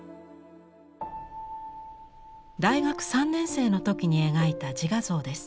大学３年生の時に描いた自画像です。